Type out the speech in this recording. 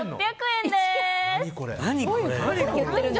２６００円です。